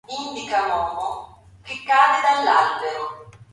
Oggi di tutto l'impianto resta solo una ciminiera.